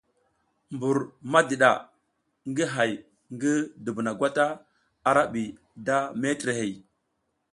Mbur madiɗa ngi hay ngi dubuna gwata a bi da metrey,